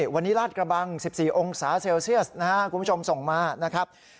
วันนี้ลาดกระบัง๑๔องศาเซลเซียสนะครับคุณผู้ชมส่งมานะครับ